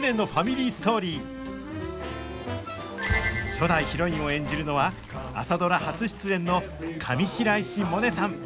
初代ヒロインを演じるのは「朝ドラ」初出演の上白石萌音さん！